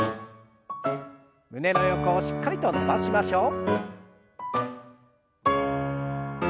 胸の横をしっかりと伸ばしましょう。